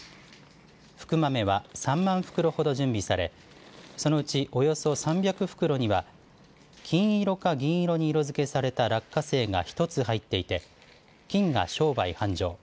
福豆は、３万袋ほど準備されそのうち、およそ３００袋には金色か銀色に色づけされた落花生が１つ入っていて金が商売繁盛。